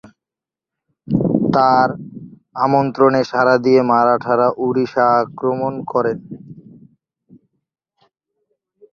তার আমন্ত্রণে সাড়া দিয়ে মারাঠারা উড়িষ্যা আক্রমণ করে।